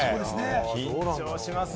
緊張しますよ。